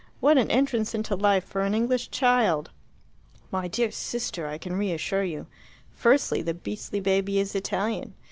What an entrance into life for an English child!" "My dear sister, I can reassure you. Firstly, the beastly baby is Italian.